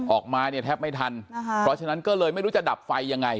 ออกมาเนี่ยแทบไม่ทันเพราะฉะนั้นก็เลยไม่รู้จะดับไฟยังไง